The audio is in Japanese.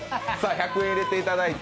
１００円入れていただいて。